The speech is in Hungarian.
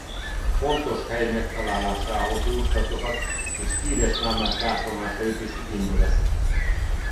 A pontos hely megtalálásához jóslatokat és híres lámák látomásait is igénybe veszik.